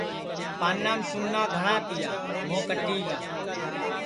پانام چُونا گھٹؔا یا موھ کٹی گا